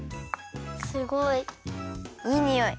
すごい！